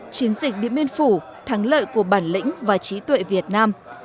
chiến dịch điện biên phủ thắng lợi của bản lĩnh và trí tuệ việt nam